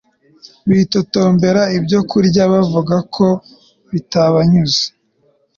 bitotombera ibyokurya bavuga ko bitabanyuze